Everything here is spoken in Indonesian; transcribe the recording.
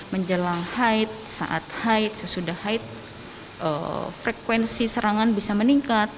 menjelang haid saat haid sesudah haid frekuensi serangan bisa meningkat